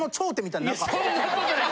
いやそんなことない。